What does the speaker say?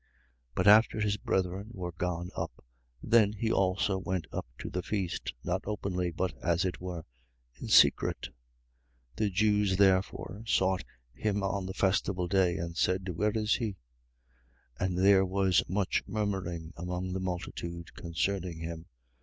7:10. But after his brethren were gone up, then he also went up to the feast, not openly, but, as it were, in secret. 7:11. The Jews therefore sought him on the festival day and said: Where is he? 7:12. And there was much murmuring among the multitude concerning him.